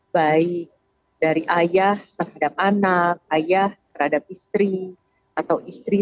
baik dari ayah terhadap anak ayah terhadap istri atau istri